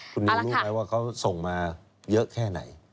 คุณนิวรู้ไหมว่าเขาส่งมาเยอะแค่ไหน